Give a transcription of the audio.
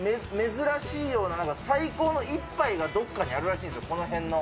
珍しいような最高の一杯がどっかのあるらしいんですよ、この辺の。